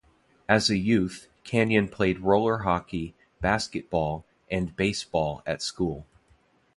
As a youth, Kanyon played roller hockey, basketball, and baseball at school.